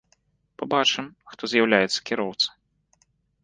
Пабачым, хто з'яўляецца кіроўца.